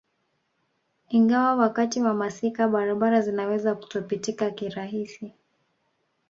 Ingawa wakati wa masika barabara zinaweza kutopitika kirahisi